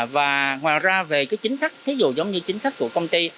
và ngoài ra về cái chính sách ví dụ giống như chính sách của công ty